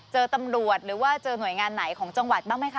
เจอตำรวจหรือว่าเจอหน่วยงานไหนของจังหวัดบ้างไหมคะ